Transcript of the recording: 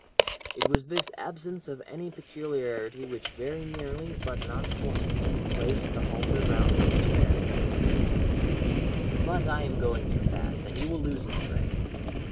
"It was this absence of any peculiarity which very nearly, but not quite, placed the halter round Mr. Errington's neck. "But I am going too fast, and you will lose the thread.